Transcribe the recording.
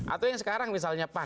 atau yang sekarang misalnya pan